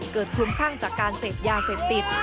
เกิดคลุมข้างจากการเสพยาเสพติด